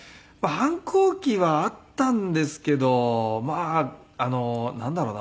反抗期はあったんですけどまあなんだろうな。